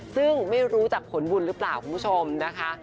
ซึ่งไม่รู้จากผลบุญหรือเปล่าคุณผู้ชมนะคะ